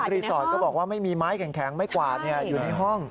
รีสอร์ทก็บอกว่าไม่มีไม้แข็งไม้กวาดอยู่ในห้อง